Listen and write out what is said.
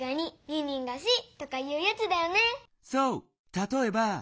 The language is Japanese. たとえば。